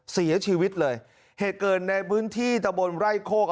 เสียชีวิตเลยเหตุเกิดในพื้นที่ตะบนไร่โคก